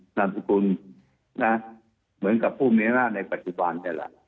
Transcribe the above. สนุนโดยน้ำดื่มสิง